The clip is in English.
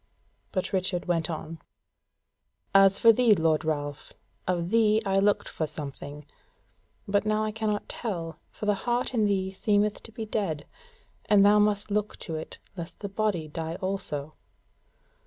But Richard went on: "As for thee, lord Ralph, of thee I looked for something; but now I cannot tell; for the heart in thee seemeth to be dead; and thou must look to it lest the body die also."